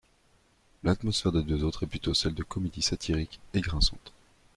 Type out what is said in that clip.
L’atmosphère des deux autres est plutôt celle de comédies satiriques et grinçantes.